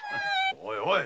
おいおい！